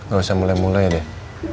gak usah mulai mulai deh